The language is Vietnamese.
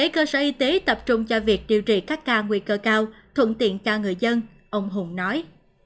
bảy cơ sở y tế tập trung cho việc điều trị các ca nguy cơ cao thuận tiện cho người dân ông hùng nói